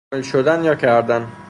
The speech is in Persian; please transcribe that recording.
کامل شدن یا کردن